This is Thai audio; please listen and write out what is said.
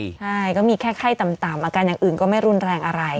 ใช่ก็มีแค่ไข้ต่ำอาการอย่างอื่นก็ไม่รุนแรงอะไร